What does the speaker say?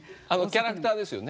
キャラクターです。